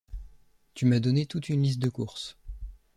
Tu m’as donné toute une liste de courses.